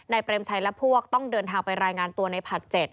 เปรมชัยและพวกต้องเดินทางไปรายงานตัวในผัด๗